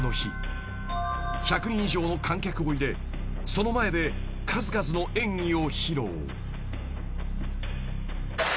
［１００人以上の観客を入れその前で数々の演技を披露］